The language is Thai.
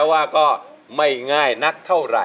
สวัสดีครับ